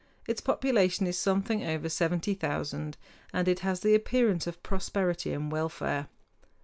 Its population is something over 70,000, and it has the appearance of prosperity and welfare.